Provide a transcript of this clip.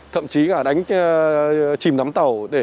thậm chí là đánh cát